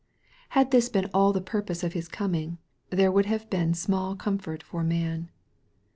Had this been all the pur pose of His coming, there would have been small com fort for man.